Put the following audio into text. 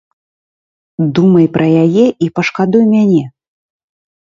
Думай пра яе і пашкадуй мяне.